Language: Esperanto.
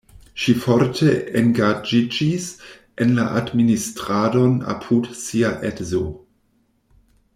Ŝi forte engaĝiĝis en la administradon apud sia edzo.